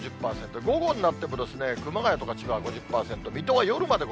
午後になってもですね、熊谷とか千葉は５０％、水戸は夜まで５０％。